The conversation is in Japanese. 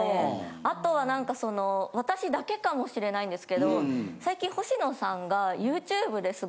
あとはなんか私だけかもしれないんですけど最近ほしのさんが。